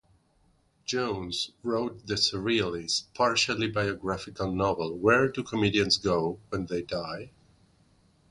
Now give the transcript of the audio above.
Jones wrote the surrealist, partially biographical novel Where Do Comedians Go When They Die?